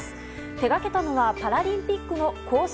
手がけたのはパラリンピックの公式